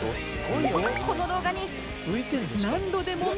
この動画に